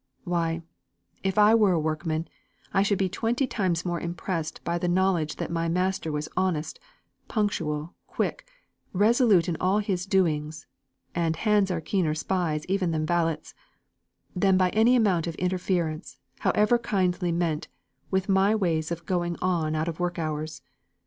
Why, if I were a workman, I should be twenty times more impressed by the knowledge that my master was honest, punctual, quick, resolute in all his doings (and hands are keener spies even than valets), than by any amount of interference, however kindly meant, with my ways of going on out of work hours.